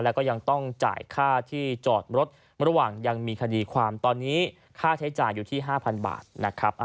แล้วก็ยังต้องจ่ายค่าที่จอดรถระหว่างยังมีคดีความตอนนี้ค่าใช้จ่ายอยู่ที่๕๐๐บาทนะครับ